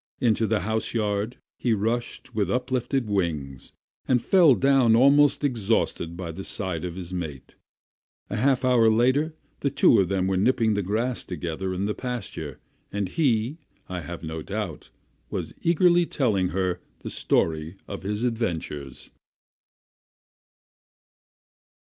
Into the house yard he rushed with uplifted wings, and fell down almost exhausted by the side of his mate. A half hour later the two were nipping the grass together in the pasture, and he, I have no doubt, was eagerly telling her the story of his adventures.